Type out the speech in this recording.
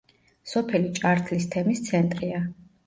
სოფელი ჭართლის თემის ცენტრია.